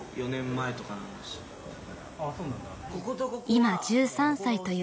今１３歳という彼。